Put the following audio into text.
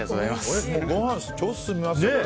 ご飯、超進みますね。